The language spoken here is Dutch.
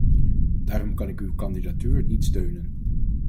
Daarom kan ik uw kandidatuur niet steunen.